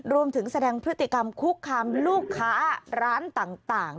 แสดงพฤติกรรมคุกคามลูกค้าร้านต่าง